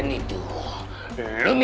ketika di rumah